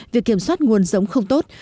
việc kiểm soát nguồn giống không tốt